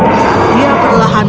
dia perlahan mulai bergerak